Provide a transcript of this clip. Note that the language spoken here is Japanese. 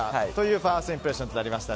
ファーストインプレッションでした。